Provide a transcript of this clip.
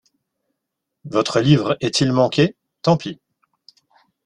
Votre livre est-il manqué? tant pis.